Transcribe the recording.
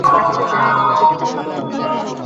তূলনামূলক, এখানে সুখ টা বেশী না।